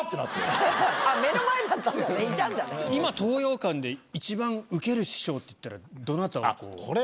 今東洋館で一番ウケる師匠っていったらどなたをこう。